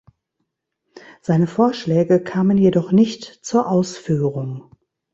Seine Vorschläge kamen jedoch nicht zur Ausführung.